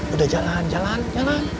udah jalan jalan jalan